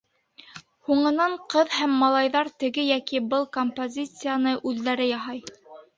Һуңынан ҡыҙ һәм малайҙар теге йәки был композицияны үҙҙәре яһай.